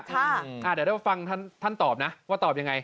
ค่ะอ่าแต่เดี๋ยวฟังท่านท่านตอบนะว่าตอบยังไง